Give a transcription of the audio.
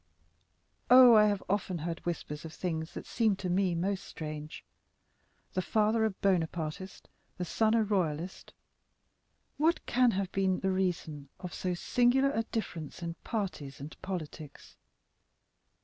"Oh, I have often heard whispers of things that seem to me most strange—the father a Bonapartist, the son a Royalist; what can have been the reason of so singular a difference in parties and politics?